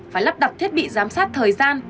phải lắp đặt thiết bị giám sát thời gian